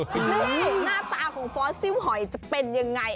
หน้าตาของฟอสซิลหอยจะเป็นยังไง